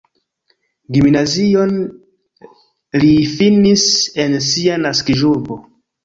Gimnazion li finis en sia naskiĝurbo.